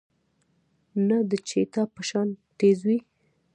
نۀ د چيتا پۀ شان تېز وي